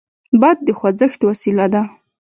باد د خوځښت وسیله ده.